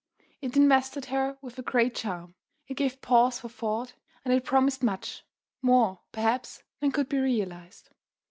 It invested her with a great charm; it gave pause for thought and it promised much: more, perhaps, than could be realized.